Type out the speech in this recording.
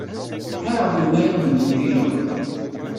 Ḥareɣ melmi ara kent-mlileɣ.